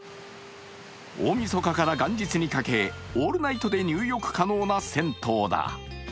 大みそかから元日にかけオールナイトで入浴可能な銭湯だ。